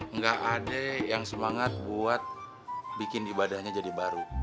nggak ada yang semangat buat bikin ibadahnya jadi baru